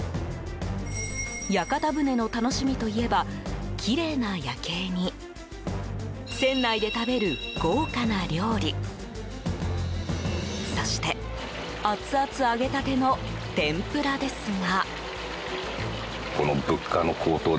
屋形船の楽しみといえばきれいな夜景に船内で食べる豪華な料理そして、アツアツ揚げたての天ぷらですが。